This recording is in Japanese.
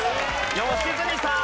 良純さん。